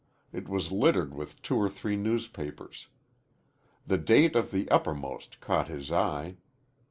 It was littered with two or three newspapers. The date of the uppermost caught his eye.